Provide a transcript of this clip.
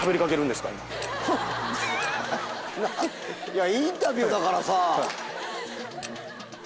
いやインタビューだからさ。